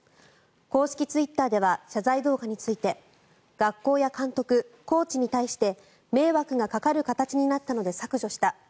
公式ツイッターでは謝罪動画について学校や監督・コーチに対して迷惑がかかる形になったので削除した。